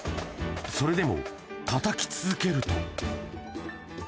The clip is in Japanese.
それでも、たたき続けると。